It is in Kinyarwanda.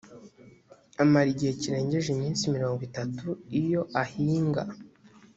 amara igihe kirengeje iminsi mirongo itatu iyo ahinga